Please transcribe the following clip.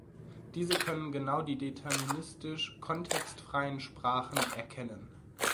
Diese können genau die deterministisch kontextfreien Sprachen erkennen.